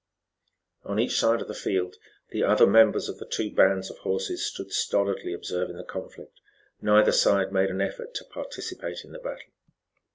On each side of the field the other members of the two bands of horses, stood stolidly observing the conflict. Neither side made an effort to participate in the battle.